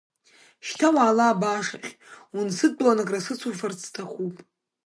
Шьҭа уаала абаашахь, унасыдтәаланы акрысыцуфарц сҭахуп!